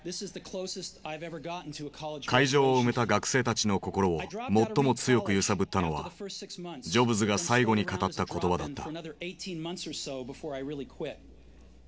会場を埋めた学生たちの心を最も強く揺さぶったのはジョブズが最後に語った言葉だった。